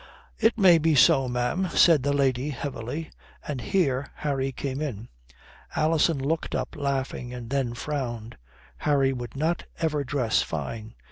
"It may be so, ma'am," said the lady heavily, and here Harry came in. Alison looked up laughing and then frowned. Harry would not ever dress fine.